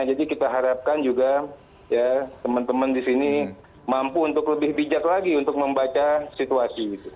jadi kita harapkan juga teman teman disini mampu untuk lebih bijak lagi untuk membaca situasi itu